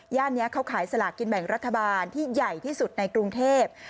นี้เขาขายสลากินแบ่งรัฐบาลที่ใหญ่ที่สุดในกรุงเทพ